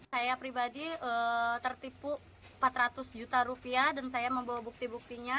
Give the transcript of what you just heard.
saya pribadi tertipu empat ratus juta rupiah dan saya membawa bukti buktinya